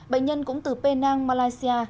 bệnh nhân cũng từ penang malaysia